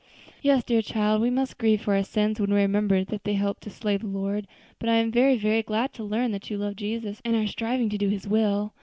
"Yes, dear child, we must grieve for our sins when we remember that they helped to slay the Lord. But I am very, very glad to learn that you love Jesus, and are striving to do His will.